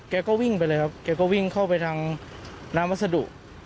แกก็วิ่งไปเลยครับแกก็วิ่งเข้าไปทางน้ำวัสดุ